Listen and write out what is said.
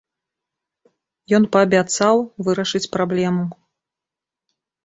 Ён паабяцаў вырашыць праблему.